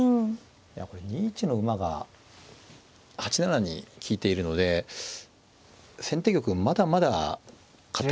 いやこれ２一の馬が８七に利いているので先手玉まだまだ堅いんですよね。